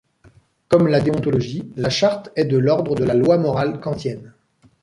Comme la déontologie, la charte est de l'ordre de la loi morale kantienne.